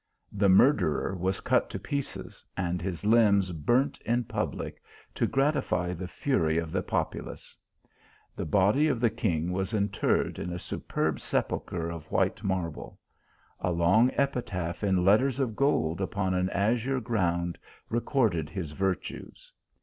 The murderer was cut to pieces, and his limbs burnt in public, to gratify the fury of the populace. The body of the king was interred in a superb sepulchre of white marble ; a long epitaph in letters of gold upon an azure ground recorded his virtues.